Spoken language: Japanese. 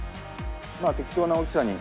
まあ適当な大きさに。